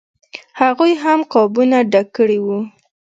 هغوی هم قابونه ډک کړي وو.